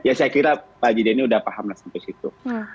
ya saya kira pak haji deni sudah pahamlah sampai situ